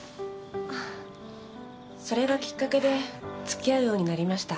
それがきっかけで付き合うようになりました。